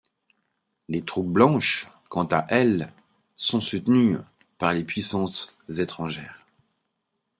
Les troupes blanches, quant à elles, sont soutenues par les puissances étrangères.